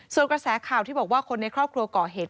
ส่วนกระแสข่าวที่บอกว่าคนในครอบครัวก่อเหตุ